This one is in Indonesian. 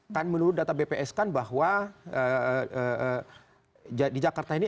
kan menurut data bps kan bahwa di jakarta ini